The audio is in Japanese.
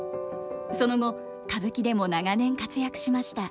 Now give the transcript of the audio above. その後歌舞伎でも長年活躍しました。